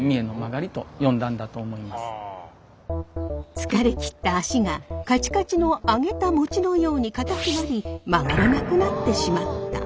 疲れ切った足がカチカチの揚げた餅のようにかたくなり曲がらなくなってしまった。